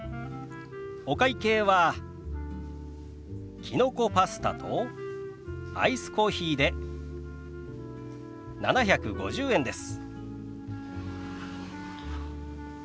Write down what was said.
お会計はきのこパスタとアイスコーヒーで７５０円です。